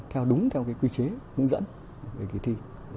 theo đúng theo quy chế hướng dẫn về kỳ thi